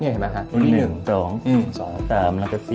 นี่เห็นไหมครับ